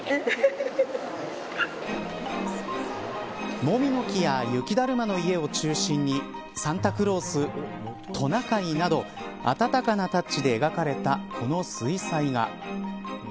モミの木や雪だるまの家を中心にサンタクロース、トナカイなどあたたかなタッチで描かれたこの水彩画。